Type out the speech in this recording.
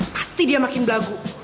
pasti dia makin belagu